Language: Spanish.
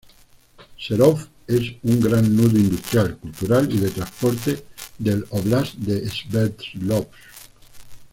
Serov es un gran nudo industrial, cultural y de transporte del óblast de Sverdlovsk.